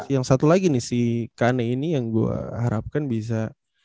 yang satu lagi nih si kane ini yang gue harapkan bisa